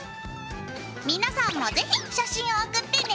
皆さんも是非写真を送ってね！